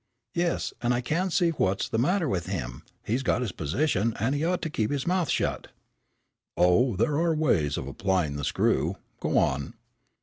"Yes, and I can't see what's the matter with him, he's got his position, and he ought to keep his mouth shut." "Oh, there are ways of applying the screw. Go on."